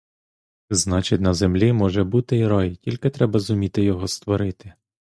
Значить, на землі може бути й рай, тільки треба зуміти його створити.